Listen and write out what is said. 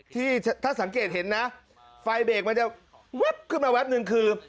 ที่ถ้าสังเกตเห็นนะไฟเบรกมันจะแว๊บขึ้นมาแป๊บนึงคือ